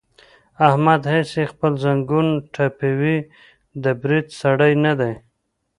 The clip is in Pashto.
احمد هسې خپل زنګون ټپوي، د برید سړی نه دی.